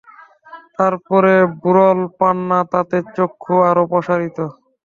তার পরে বেরোল পান্না, তাতে চক্ষু আরো প্রসারিত।